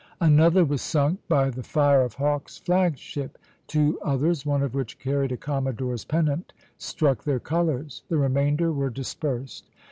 Another was sunk by the fire of Hawke's flag ship. Two others, one of which carried a commodore's pennant, struck their colors. The remainder were dispersed.